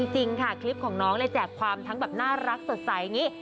จริงค่ะคลิปของน้องเลยแจกความทั้งแบบน่ารักสดใสอย่างนี้